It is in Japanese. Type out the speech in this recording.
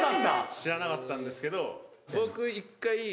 知らなかったんですけど僕。